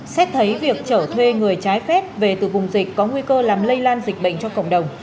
xét thấy việc trở thuê người trái phép về từ vùng dịch có nguy cơ làm lây lan dịch bệnh cho cộng đồng